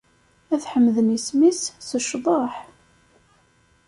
Ad ḥemden isem-is s ccḍeḥ.